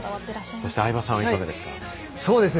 そして相葉さんはいかがですか？